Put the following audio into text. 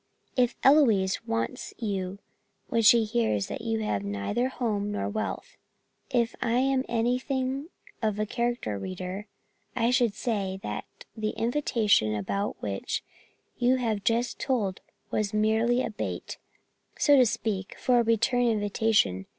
"If Eloise wants you when she hears that you have neither home nor wealth. If I am anything of a character reader, I should say that the invitation about which you have just told was merely a bait, so to speak, for a return invitation.